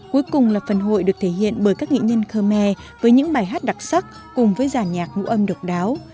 cuối cùng là phần hội được thể hiện bởi các nghị nhân khơ me với những bài hát đặc sắc cùng với giả nhạc ngũ âm độc đáo